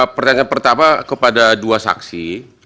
pertanyaan pertama kepada dua saksi